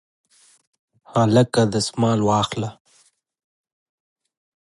هلکه دستمال واخله